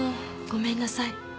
ごめんなさい